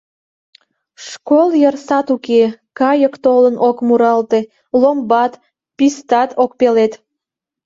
Школ йыр сад уке, кайык толын ок муралте, ломбат, пистат ок пелед.